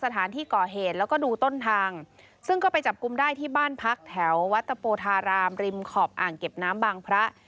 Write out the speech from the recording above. ปากกันในชื่อแก๊งโจโขอบอาง